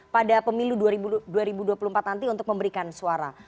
pada pemilu dua ribu dua puluh empat nanti untuk memberikan suara